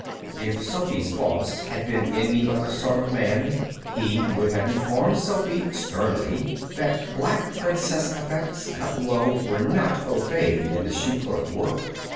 If Sophy's boss had been any other sort of man he would have informed Sophy, sternly, that black princess effects, cut low, were not au fait in the shoe clerk world.